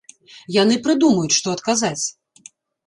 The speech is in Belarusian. Яны прыдумаюць, што адказаць.